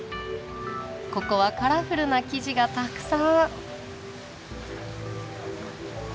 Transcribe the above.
ここはカラフルな生地がたくさん。